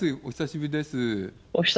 お久しぶりです。